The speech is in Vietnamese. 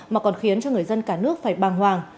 mà còn khiến cho người dân cả nước phải bàng hoàng